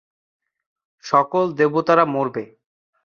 সকল দেবতারা মরবে।